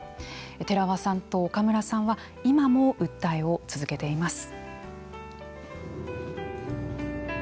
寺輪さんと岡村さんは今も訴えを続けています。